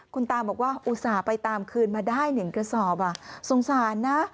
คุณตาบอกว่าอุตส่าห์ไปตามคืนมาได้๑กระสอบสงสารนะ